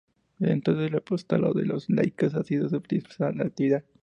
Desde entonces el Apostolado de los Laicos ha sido su principal actividad.